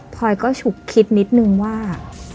พอยก็ฉุกคิดนิดนึงว่า